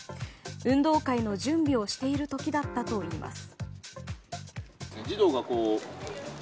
運動会の準備をしている時だったといいます。